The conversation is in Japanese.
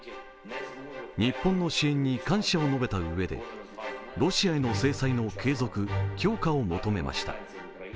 日本の支援に感謝を述べたうえで、ロシアへの制裁の継続、強化を求めました。